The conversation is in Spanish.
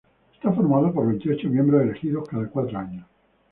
Está formado por veintiocho miembros, elegidos cada cuatro años.